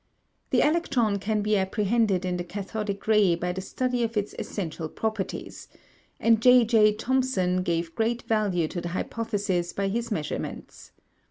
The electron can be apprehended in the cathodic ray by the study of its essential properties; and J.J. Thomson gave great value to the hypothesis by his measurements.